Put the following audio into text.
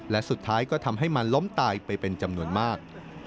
และสุดท้ายก็ทำให้มันล้มตายไปเป็นจำนวนมาก